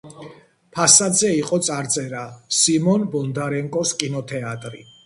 ფასადზე იყო წარწერა „სიმონ ბონდარენკოს კინოთეატრი“.